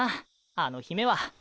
あの姫は。